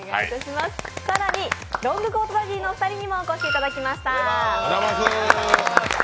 更にロングコートダディのお二人にもお越しいただきました。